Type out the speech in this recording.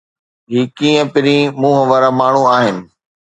هي ڪيئن پرين منهن وارا ماڻهو آهن؟